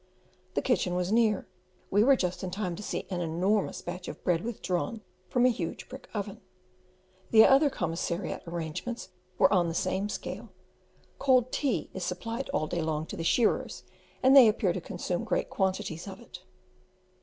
The kitchen was near, and we were just in time to see an enormous batch of bread withdrawn from a huge brick oven: the other commissariat arrangements were on the same scale. Cold tea is supplied all day long to the shearers, and they appear to consume great quantities of it.